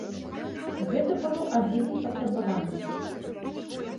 Гэта было адзіным патрабаваннем.